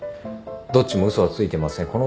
どっちも嘘はついてません。